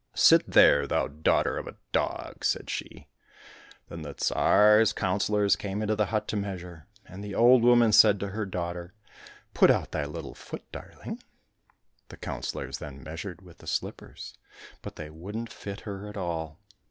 " Sit there, thou daughter of a dog !" said she. — Then the Tsar's councillors came into the hut to measure, and the old woman said to her daughter, " Put out thy Httle foot, darling !"— The councillors then measured with the slippers, but they wouldn't fit her at all.